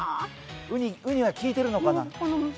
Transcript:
ウニはきいてるのかな？